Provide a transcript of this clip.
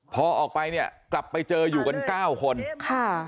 พอออกไปเนี่ยกลับไปเจออยู่กัน๙คน